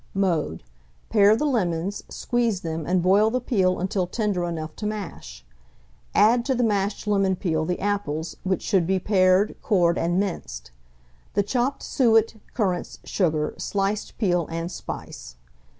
Mode. Pare the lemons, squeeze them, and boil the peel until tender enough to mash. Add to the mashed lemon peel the apples, which should be pared, cored, and minced; the chopped suet, currants, sugar, sliced peel, and spice.